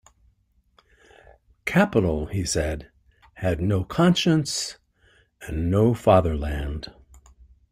Capital, he said, had no conscience and no fatherland.